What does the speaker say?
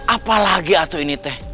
apa lagi ato ini teh